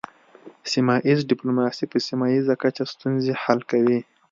سیمه ایز ډیپلوماسي په سیمه ایزه کچه ستونزې حل کوي